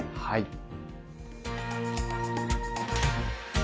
はい。